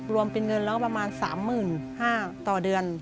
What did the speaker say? รวมเป็นเงินแล้วประมาณ๓๕๐๐บาทต่อเดือน